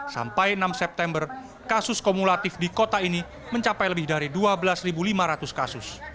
sampai enam september kasus kumulatif di kota ini mencapai lebih dari dua belas lima ratus kasus